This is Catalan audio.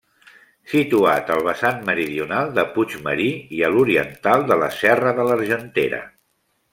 Situat al vessant meridional de Puig Marí i a l'oriental de la serra de l'Argentera.